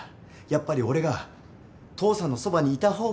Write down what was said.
やっぱり俺が父さんのそばにいた方がいいって。